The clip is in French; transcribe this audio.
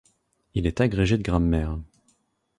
Il est agrégé de grammaire.